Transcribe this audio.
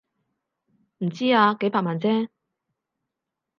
唔知啊，幾百萬啫